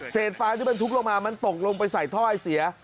เศษฟ้าที่บรรทุกลงมามันตกลงไปใส่ถ้อยเสีย